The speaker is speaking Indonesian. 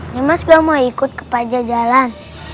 dimas gue mau ikut ke pajak jalan